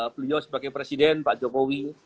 beliau sebagai presiden pak jokowi